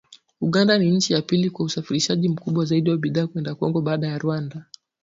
Uganda ni nchi ya pili kwa usafirishaji mkubwa zaidi wa bidhaa kwenda Kongo baada ya Rwanda